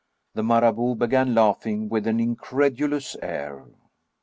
The Marabout began laughing with an incredulous air.